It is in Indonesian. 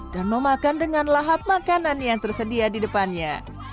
dan memakan dengan lahap makanan yang tersedia di depannya